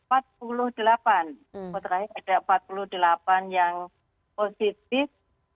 ada empat puluh delapan yang positif